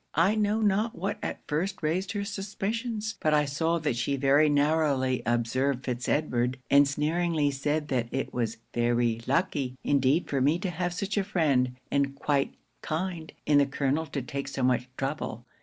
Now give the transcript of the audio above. I know not what at first raised her suspicions; but I saw that she very narrowly observed Fitz Edward; and sneeringly said that it was very lucky indeed for me to have such a friend, and quite kind in the colonel to take so much trouble.